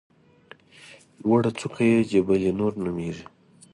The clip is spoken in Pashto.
لوړه څوکه یې جبل نور نومېږي.